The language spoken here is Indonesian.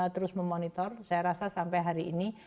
terus memonitor saya rasa sampai hari ini